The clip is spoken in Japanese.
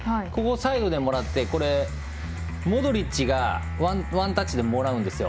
サイドでもらってモドリッチがワンタッチでもらうんですよ。